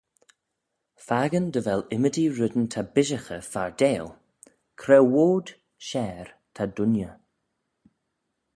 Fakin dy vel ymmodee reddyn ta bishaghey fardail, cre woad share ta dooinney?